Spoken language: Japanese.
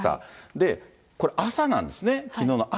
で、これ、朝なんですね、きのうの朝。